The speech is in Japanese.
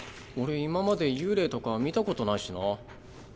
俺今まで幽霊とか見たことないしな。